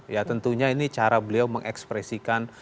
ya tentunya ini cara beliau mengekspresikan